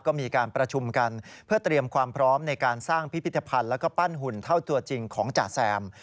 ก็มีการประชุมกันเพื่อเตรียมความพร้อมในการสร้างพิพิธภัณฑ์แล้วก็ปั้นหุ่นเท่าตัวจริงของจ่าแซม